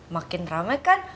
makin rame kan